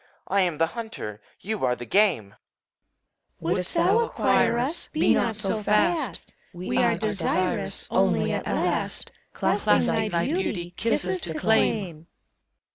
I am the hunter. You are the game. CHORUS. Wouldst thou acquire us, Be not so fast! We are desirous Only, at last, Clasping thy beauty. Kisses to claim!